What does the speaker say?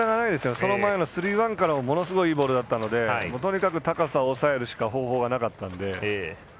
その前のスリーワンからものすごいいいボールだったのでとにかく高さを抑えるしか方法はなかったので。